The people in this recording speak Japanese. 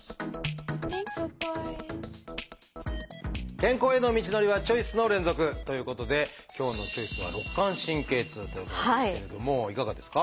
健康への道のりはチョイスの連続！ということで今日の「チョイス」は「肋間神経痛」ということですけれどもいかがですか？